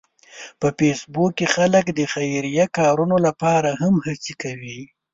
په فېسبوک کې خلک د خیریه کارونو لپاره هم هڅې کوي